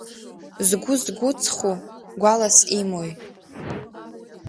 Згәы згәыҵху гәалас имои…